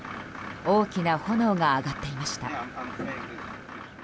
大きな炎が上がっていました。